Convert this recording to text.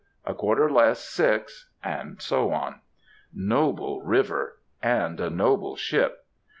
A quarter less six!" and so on. Noble river! and a noble ship!